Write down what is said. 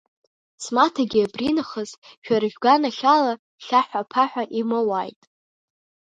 Смаҭагьы абринахыс, шәара шәганахьала хьаҳәа-ԥаҳәа имоуааит.